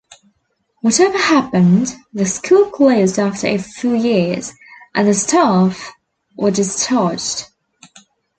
Whatever happened, the school closed after a few years, and the staff were discharged.